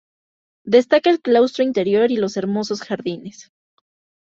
Destaca el Claustro interior y los hermosos jardines.